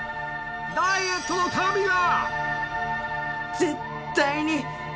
ダイエットの神が！